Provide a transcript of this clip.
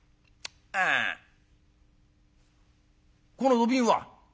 「あこの土瓶は？」。